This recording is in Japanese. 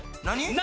何？